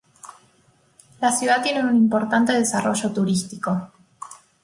La ciudad tiene un importante desarrollo turístico.